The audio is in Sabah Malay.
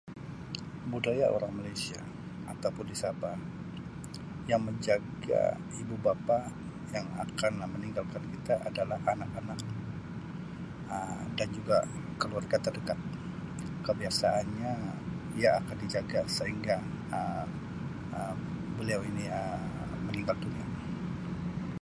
Budaya orang Malaysia ataupun di Sabah yang menjaga ibu bapa yang akan meninggalkan kita adalah anak-anak Um dan juga keluarga terdekat kebiasaannya ia akan dijaga sehingga Um beliau ini Um meninggal dunia.